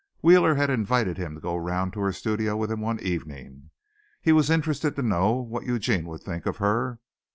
Wheeler had invited him to go round to her studio with him one evening. He was interested to know what Eugene would think of her.